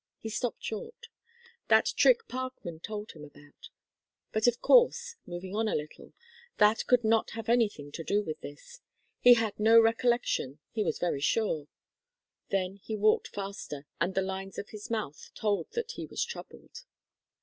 He stopped short. That trick Parkman told him about! But of course moving on a little that could not have anything to do with this. He had no recollection he was very sure then he walked faster, and the lines of his mouth told that he was troubled.